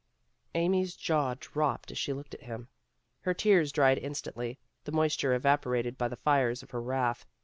Amy's jaw dropped as she looked at him. Her tears dried instantly, the moisture evapo rated by the fires of her wrath.